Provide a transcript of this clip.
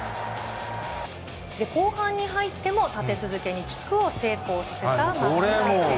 後半に入っても、立て続けにキックを成功させた松田選手。